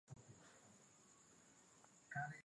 magonjwa wanayokumbana nayo mara kwa mara